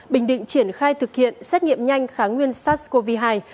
bình định triển khai thực hiện xét nghiệm nhanh kháng nguyên sars cov hai